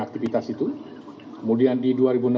aktivitas itu kemudian di